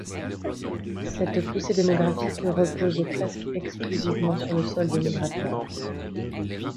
Cette poussée démographique repose presque exclusivement sur le solde migratoire.